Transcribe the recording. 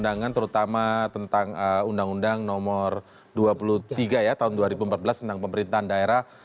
jangan lupa subscribe like komen dan share